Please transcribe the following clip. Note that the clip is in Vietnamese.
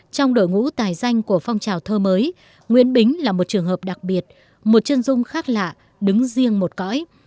trong đội ngũ tài danh của phong trào thơ mới nguyễn bính là một trường hợp đặc biệt một chân dung khác lạ đứng riêng một cõi